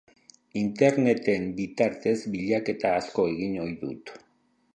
Interneten bitartez bilaketa asko egin ohi dut.